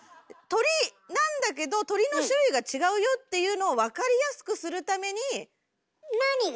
鳥なんだけど鳥の種類が違うよっていうのを分かりやすくするために。